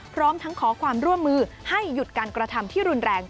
พร้อมทั้งขอความร่วมมือให้หยุดการกระทำที่รุนแรง